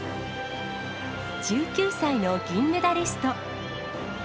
１９歳の銀メダリスト。